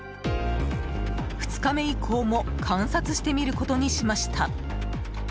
２日目以降も観察してみることにしました。